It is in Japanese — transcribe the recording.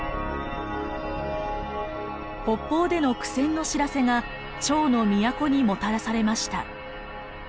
北方での苦戦の知らせが趙の都にもたらされました。